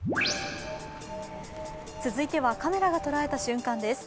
続いてはカメラが捉えた瞬間です。